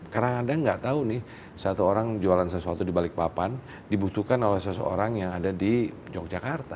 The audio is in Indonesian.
kadang kadang nggak tahu nih satu orang jualan sesuatu di balikpapan dibutuhkan oleh seseorang yang ada di yogyakarta